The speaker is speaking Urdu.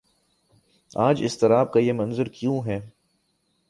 آج اضطراب کا یہ منظر کیوں ہے؟